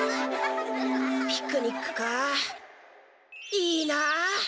ピクニックかいいなあ！